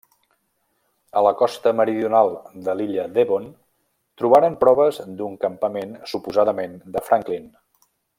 A la costa meridional de l'illa Devon trobaren proves d'un campament suposadament de Franklin.